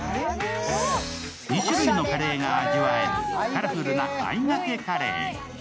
２種類のカレーが味わえるカラフルなあいがけカレー。